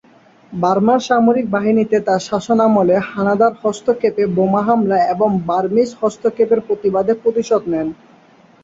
বার্মার সামরিক বাহিনীতে তার শাসনামলে হানাদার হস্তক্ষেপে বোমা হামলা এবং বার্মিজ হস্তক্ষেপের প্রতিবাদে প্রতিশোধ নেন।